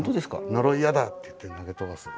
「呪い嫌だ！」って言って投げ飛ばす。